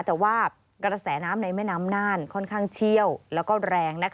แต่ว่ากระแสน้ำในแม่น้ำน่านค่อนข้างเชี่ยวแล้วก็แรง